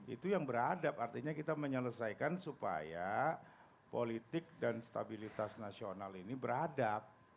itu yang beradab artinya kita menyelesaikan supaya politik dan stabilitas nasional ini beradab